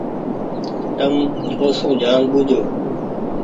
تم او سون جآن ٻوجوُ ۔